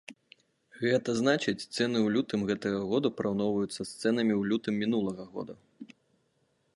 Гэта значыць, цэны ў лютым гэтага года параўноўваюцца з цэнамі ў лютым мінулага года.